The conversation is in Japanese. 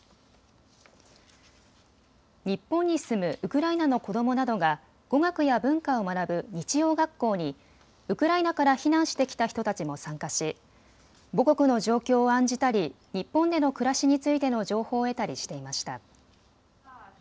日本に住むウクライナの子どもなどが語学や文化を学ぶ日曜学校にウクライナから避難してきた人たちも参加し母国の状況を案じたり日本での暮らしについての情報を得たりしていました。